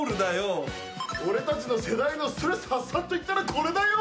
俺たちの世代のストレス発散といったらこれだよ！